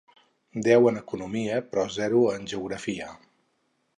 Deu en economia però zero en geografia.